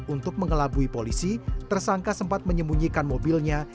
untuk mengelabui polisi tersangka sempat menyembunyikan mobilnya